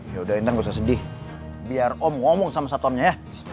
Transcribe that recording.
yaudah inang gak usah sedih biar om ngomong sama satuannya ya